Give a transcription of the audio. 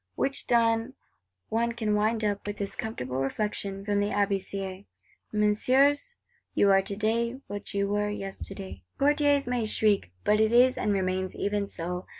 Which done, one can wind up with this comfortable reflection from Abbé Sieyes: 'Messieurs, you are today what you were yesterday.' Courtiers may shriek; but it is, and remains, even so.